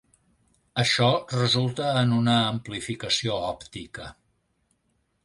Això resulta en una amplificació òptica.